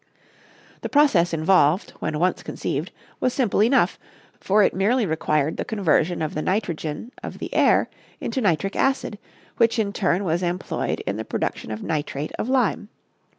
The process involved, when once conceived, was simple enough, for it merely required the conversion of the nitrogen of the air into nitric acid, which in turn was employed in the production of nitrate of lime.